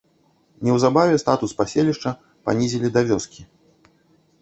Неўзабаве статус паселішча панізілі да вёскі.